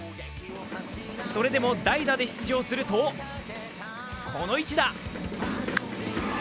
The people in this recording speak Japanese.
それでも代打で出場すると、この一打。